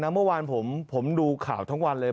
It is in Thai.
เมื่อวานผมดูข่าวทั้งวันเลย